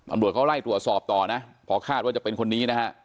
ตำรวจเขาไล่ตรวจสอบต่อนะพอคาดว่าจะเป็นคนนี้นะฮะ